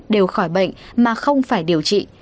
đều khỏi bệnh mà không phải điều trị